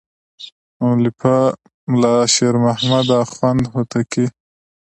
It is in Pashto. مؤلفه ملا شیر محمد اخوند هوتکی.